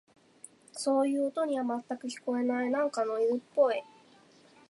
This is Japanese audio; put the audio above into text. そういう音には、全く聞こえない。なんかノイズっぽい。